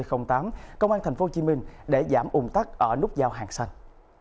công an tp hcm để giảm ủng tắc ở nút giao hàng xanh